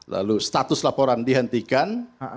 lalu status laporan dihentikan